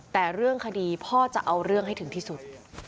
แต่เรื่องคดีพ่อจะเอาเรื่องให้ถึงที่สุด